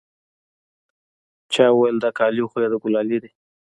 چا وويل دا كالي خو يې د ګلالي دي.